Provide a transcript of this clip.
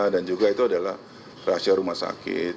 dan juga itu adalah rahasia rumah sakit